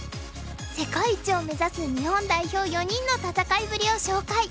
世界一を目指す日本代表４人の戦いぶりを紹介。